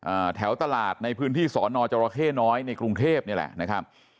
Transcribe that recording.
อ่าแถวตลาดในพื้นที่สอนอจรเข้น้อยในกรุงเทพนี่แหละนะครับ